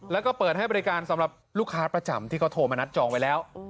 แล้วก็เปิดให้บริการสำหรับลูกค้าประจำที่เขาโทรมานัดจองไว้แล้ว